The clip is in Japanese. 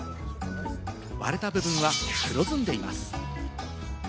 割れた部分は黒ずんでいます。